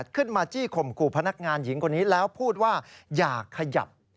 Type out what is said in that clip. ขึ้นมาจี้ขมครูพนักงานหญิงคนนี้แล้วพูดว่าอย่าขยับ